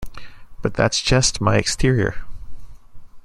But that's just my exterior.